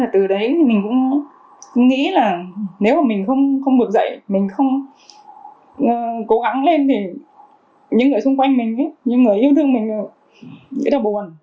từ đấy mình cũng nghĩ là nếu mà mình không được dạy mình không cố gắng lên thì những người xung quanh mình những người yêu thương mình nghĩ là buồn